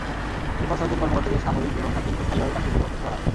এরপর ছয়জন কর্মকর্তাকে সাময়িক এবং সাতজনকে স্থায়ীভাবে চাকরি থেকে বরখাস্ত করা হয়।